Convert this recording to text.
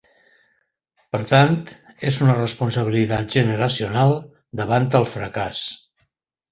Per tant, és una responsabilitat generacional davant el fracàs.